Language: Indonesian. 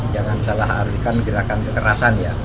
jangan salah alihkan gerakan kekerasan ya